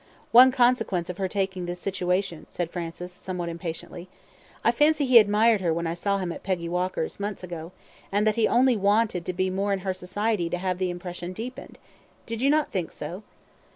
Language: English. "One consequence of her taking this situation," said Francis, somewhat impatiently. "I fancy he admired her when I saw him at Peggy Walker's, months ago, and that he only wanted to be more in her society to have the impression deepened. Did you not think so?"